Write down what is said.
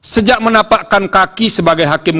sejak menapakkan kaki sebagai hakim